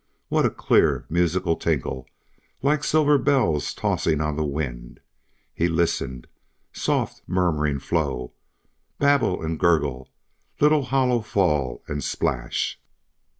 What a clear musical tinkle, like silver bells tossing on the wind! He listened. Soft murmuring flow, babble and gurgle, little hollow fall and splash!